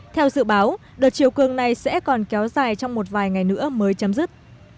theo dự báo đợt chiều cường này sẽ còn kéo dài trong một vài ngày nữa mới chấm dứt